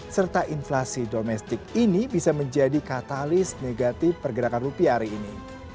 serta inflasi domestik ini bisa menjadi katalis negatif pergerakan rupiah hari ini